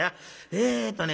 えっとね